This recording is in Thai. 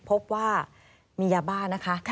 พบว่ามียาบ้านะคะ